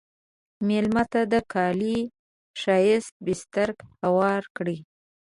مېلمه ته د کالي ښایسته بستر هوار کړه.